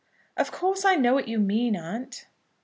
"Of course, I know what you mean, aunt?"